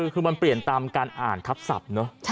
คือมันเปลี่ยนตามการอ่านทับศัพท์เนอะ